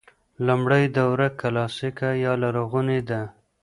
لومړۍ دوره کلاسیکه یا لرغونې ده.